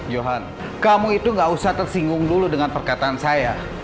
johan kamu itu gak usah tersinggung dulu dengan perkataan saya